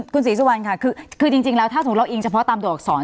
คุณสีสวรรค์ค่ะคือจริงแล้วถ้าถูกเราอิงเฉพาะตามตัวอักษร